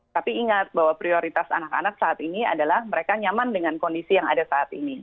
tapi ingat bahwa prioritas anak anak saat ini adalah mereka nyaman dengan kondisi yang ada saat ini